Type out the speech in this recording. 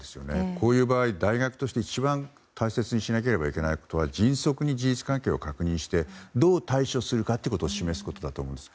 こういう場合、大学として一番大切にしなければいけないことは迅速に事実関係を確認してどう対処するかということを示すことだと思うんです。